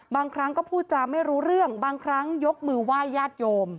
บางครั้งก็พูดจาไม่รู้เรื่องบางครั้งยกมือไหว้ญาติโยม